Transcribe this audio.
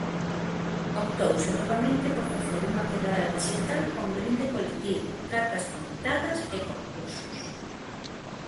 Optouse novamente por facer unha quedada dixital con brinde colectivo, catas comentadas e concursos.